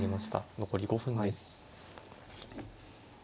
残り５分です。